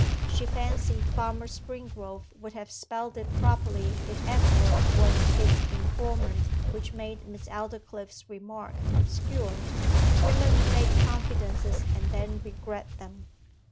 She fancied Farmer Springrove would have spelt it properly if Edward was his informant, which made Miss Aldclyffe's remark obscure. Women make confidences and then regret them.